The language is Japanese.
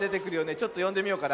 ちょっとよんでみようかな。